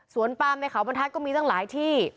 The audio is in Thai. ส่วนปลามในเขาบรรทัศน์ก็มีตั้งหลายที่